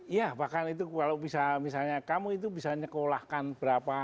iya bahkan itu kalau bisa misalnya kamu itu bisa nyekolahkan berapa